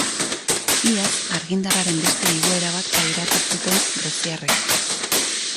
Iaz argindarraren beste igoera bat pairatu zuten greziarrek.